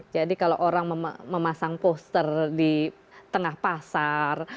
jadi kalau orang memasang poster di tengah pasar